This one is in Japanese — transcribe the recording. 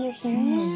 うん！